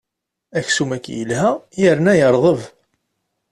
Aksum-agi yelha yerna yerḍeb.